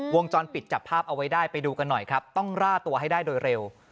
วงจรปิดจับภาพเอาไว้ได้ไปดูกันหน่อยครับต้องล่าตัวให้ได้โดยเร็ว